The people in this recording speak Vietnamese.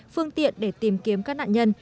phương tiện để tìm kiếm các nạn nhân